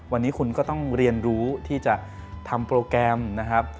วันนี้คุณก็ต้องเรียนรู้ที่จะทำโปรแกรมนะครับ